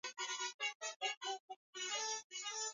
Nisimamishe uchumi kisha tutatizama mengine